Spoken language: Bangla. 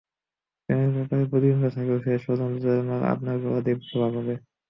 প্রেমের ব্যাপারে প্রতিদ্বন্দ্বিতা থাকলেও শেষ পর্যন্ত জয়ের মালা আপনার গলাতেই শোভা পাবে।